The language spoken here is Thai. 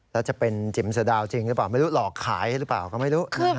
แล้วจะเป็นจิ๋มสะดาวจริงหรือเปล่าไม่รู้หลอกขายหรือเปล่าก็ไม่รู้